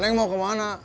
neng mau ke mana